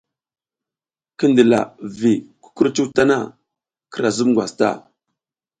Ki ndila vi kukurcuw tana, kira zub ngwas ta.